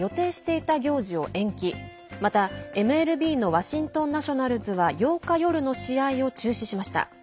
また、ワシントンを本拠地とするＭＬＢのワシントン・ナショナルズは８日夜の試合を中止しました。